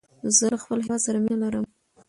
زه له خپل هيواد سره مینه لرم.